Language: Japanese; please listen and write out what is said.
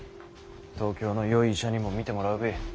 東京のよい医者にも診てもらうべぇ。